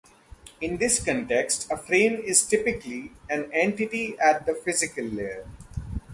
In this context, a frame is typically an entity at the physical layer.